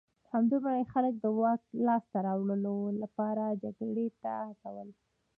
همدومره یې خلک د واک لاسته راوړلو لپاره جګړې ته هڅول